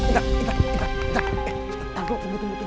ibu dah siap pulang ya